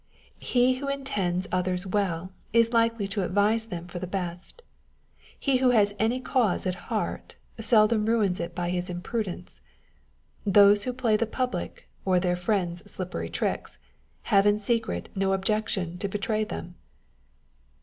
He who intends others well, is likely to advise them for the best ; he who has any cause at heart, seldom ruins it by his imprudence. Those who play the public or their friends slippery tricks, have in secret no objection to betray them.